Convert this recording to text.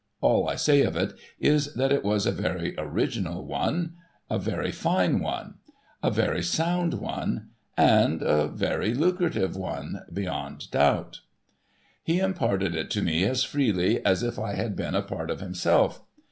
All I say of it is that it was a very original one, a DISCUSSING PLANS 119 very fine one, a very sound one, and a very lucrative one beyond doubt. He imparted it to me as freely as if I had been a part of him self.